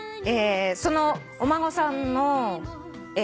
そのお孫さんの。